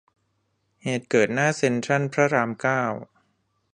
เหตุเกิดหน้าเซ็นทรัลพระรามเก้า